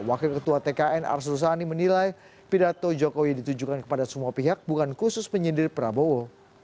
wakil ketua tkn arsul sani menilai pidato jokowi ditujukan kepada semua pihak bukan khusus menyindir prabowo